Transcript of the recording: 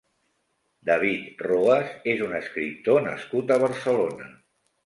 David Roas és un escriptor nascut a Barcelona.